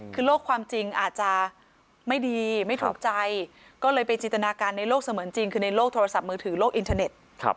คือโลกความจริงอาจจะไม่ดีไม่ถูกใจก็เลยไปจินตนาการในโลกเสมือนจริงคือในโลกโทรศัพท์มือถือโลกอินเทอร์เน็ต